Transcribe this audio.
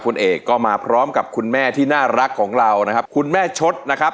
คุณเอกก็มาพร้อมกับคุณแม่ที่น่ารักของเรานะครับคุณแม่ชดนะครับ